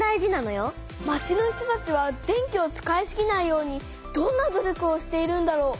町の人たちは電気を使いすぎないようにどんな努力をしているんだろう？